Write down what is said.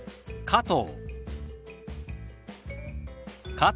「加藤」。